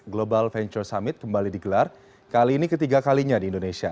global venture summit kembali digelar kali ini ketiga kalinya di indonesia